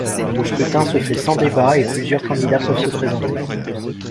Le scrutin se fait sans débat et plusieurs candidats peuvent se présenter.